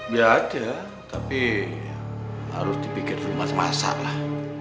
ya ada tapi harus dipikir rumah semasa lah